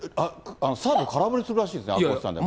サーブ、空振りするらしいですね、赤星さんでも。